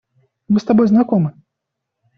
Мы с тобой знакомы.